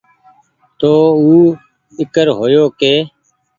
تو او ايکرهيو ڪي